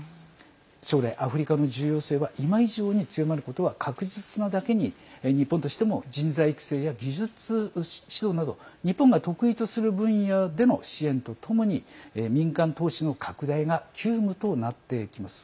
将来アフリカの重要性は今以上に強まることは確実なだけに日本としても人材育成や技術指導など日本が得意とする分野での支援とともに民間投資の拡大が急務となってきます。